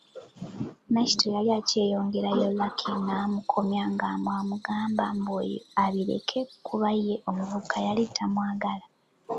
Nakitto yali akyayongerayo Lucky n’amukomya nga bw’amugamba mbu ebyo abireke kuba ye omuvubuka ye yali tamwagala.